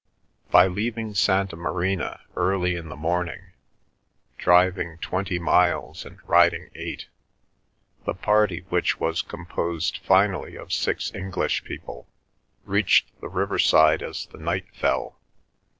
By leaving Santa Marina early in the morning, driving twenty miles and riding eight, the party, which was composed finally of six English people, reached the river side as the night fell.